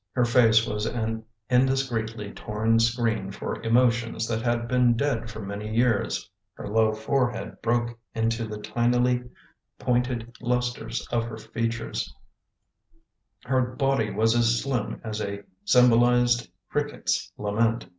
Her face was an indiscreetly torn screen for emotions that had been dead for many years; her low forehead broke into the tinily pointed lustres of her features; her body was as slim as a sym bolised cricket's lament.